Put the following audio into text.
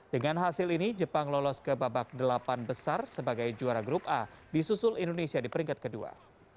dengan hasil ini jepang lolos ke babak delapan besar sebagai juara grup a disusul indonesia di peringkat kedua